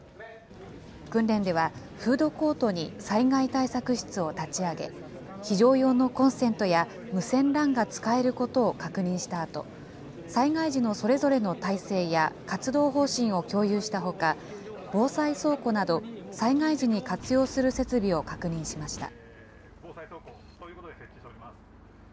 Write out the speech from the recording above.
訓練では、フードコートに災害対策室を立ち上げ、非常用のコンセントや無線ＬＡＮが使えることを確認したあと、災害時のそれぞれの態勢や、活動方針を共有したほか、防災倉庫など災害時に活用する設備を確認しました。